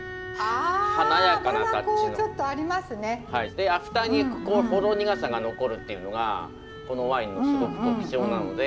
でアフターにほろ苦さが残るっていうのがこのワインのすごく特徴なので。